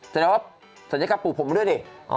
แสดงว่าศัลยกรรมปลูกผมด้วยดิ